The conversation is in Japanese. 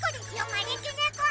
まねきねこ！